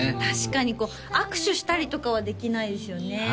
確かに握手したりとかはできないですよね